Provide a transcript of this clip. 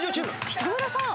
北村さん。